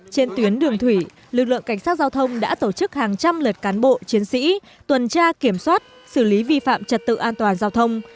trên tuyến đường thủy lực lượng cảnh sát giao thông đã tổ chức hàng trăm lượt cán bộ chiến sĩ tuần tra kiểm soát xử lý vi phạm trật tự an toàn giao thông